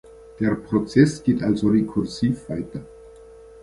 Der Prozess geht also rekursiv weiter.